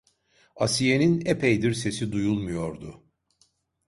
Asiye'nin epeydir sesi duyulmuyordu.